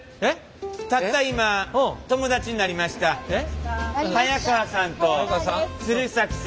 たった今友達になりました早川さんと鶴さん。